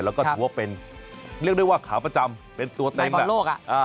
แล้วก็ถือว่าเป็นเรียกได้ว่าขาประจำเป็นตัวเต็มแบบโลก